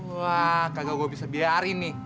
wah kagak gue bisa biarin nih